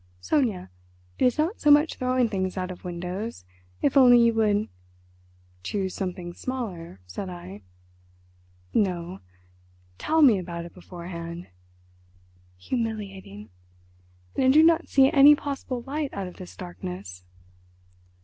'Sonia, it is not so much throwing things out of windows, if only you would—'" "Choose something smaller?" said I. "No... 'tell me about it beforehand.' Humiliating! And I do not see any possible light out of this darkness."